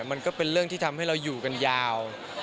มันก็เป็นเรื่องที่ทำให้เราอยู่กันยาว